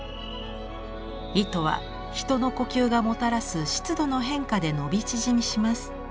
糸は人の呼吸がもたらす湿度の変化で伸び縮みします。